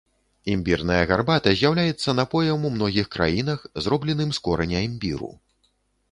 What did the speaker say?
Імбірная гарбата з'яўляецца напоем ў многіх краінах, зробленым з кораня імбіру.